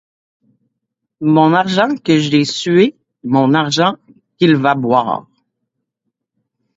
Mon argent que j’ai sué, mon argent qu’il va boire!...